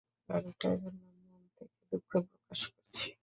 গাড়িটার জন্য মন থেকে দুঃখ প্রকাশ করছি!